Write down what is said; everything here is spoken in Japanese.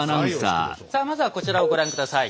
さあまずはこちらをご覧下さい。